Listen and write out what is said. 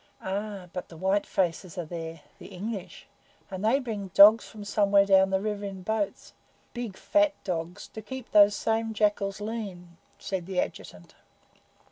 "Ah, but the white faces are there the English, and they bring dogs from somewhere down the river in boats big fat dogs to keep those same jackals lean," said the Adjutant.